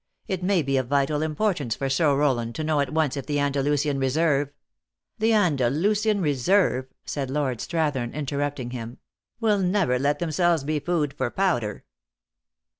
It may be of vital importance for Sir Rowland to know at once if the Andalusian reserve " "The Andalusian reserve," said Lord Strathern, interrupting him, " will never let themselves be food for powder."